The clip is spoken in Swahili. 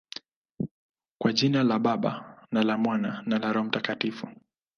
Kwa jina la Baba, na la Mwana, na la Roho Mtakatifu.